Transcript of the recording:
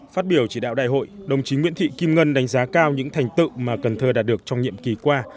phát biểu chỉ đạo đại hội đồng chí nguyễn thị kim ngân đánh giá cao những thành tựu mà cần thơ đạt được trong nhiệm kỳ qua